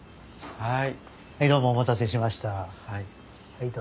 はい。